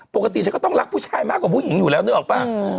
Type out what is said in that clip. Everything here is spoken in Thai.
ปกติฉันก็ต้องรักผู้ชายมากกว่าผู้หญิงอยู่แล้วนึกออกป่ะ